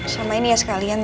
sama ini ya sekalian